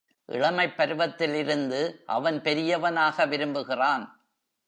இளமைப் பருவத்திலிருந்து அவன் பெரியவனாக விரும்புகிறான்.